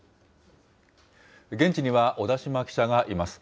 現地には小田島記者がいます。